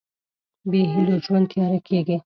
بېهيلو ژوند تیاره کېږي.